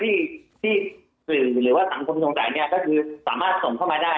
ที่ที่สื่อหรือว่าสังคมสงสัยเนี่ยก็คือสามารถส่งเข้ามาได้